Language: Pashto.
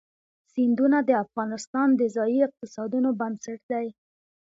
سیندونه د افغانستان د ځایي اقتصادونو بنسټ دی.